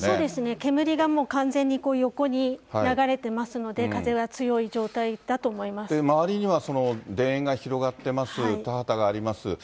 煙が完全にこう横に流れてますので、風は強い状周りには田園が広がっています、田畑があります。